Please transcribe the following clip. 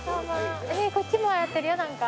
こっちもやってるよなんか。